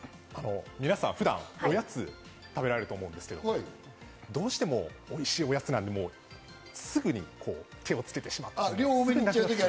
皆さん、普段おやつを食べられると思うんですけど、どうしてもおいしいおやつだとすぐに手をつけてしまう。